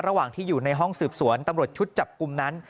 ระหว่างที่อยู่ในห้องสืบสวนตำรวจชุดจับกลุ่มนั้น